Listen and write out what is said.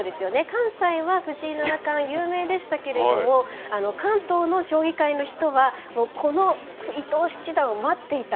関西は藤井七冠、有名でしたけど関東の将棋界の人はこの伊藤七段を待っていた。